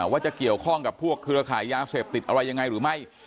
ว่าจะเกี่ยวข้องกับพวกเครือขายยาเสพติดอะไรยังไงหรือไม่